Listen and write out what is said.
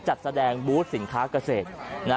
จัดแสดงบูธสินค้าเกษตร